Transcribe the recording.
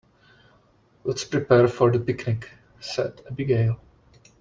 "Let's prepare for the picnic!", said Abigail.